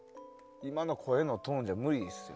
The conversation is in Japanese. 今の声のトーンで無理ですよ。